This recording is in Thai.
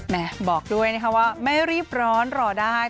แม่บอกด้วยว่าไม่รีบร้อนรอได้